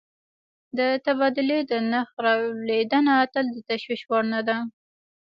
د تبادلې د نرخ رالوېدنه تل د تشویش وړ نه ده.